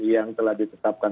yang telah ditetapkan